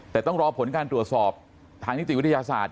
แต่ต้องรอผลการตรวจสอบทางนิติวิทยาศาสตร์